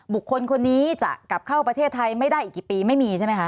บุคคลคนนี้จะกลับเข้าประเทศไทยไม่ได้อีกกี่ปีไม่มีใช่ไหมคะ